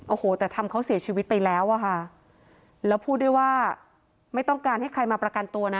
โอ้โหแต่ทำเขาเสียชีวิตไปแล้วอะค่ะแล้วพูดด้วยว่าไม่ต้องการให้ใครมาประกันตัวนะ